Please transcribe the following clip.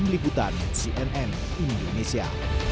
meliputan cnn indonesia